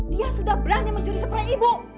dia sudah berani mencuri seperti ibu